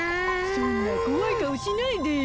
そんなこわいかおしないでよ。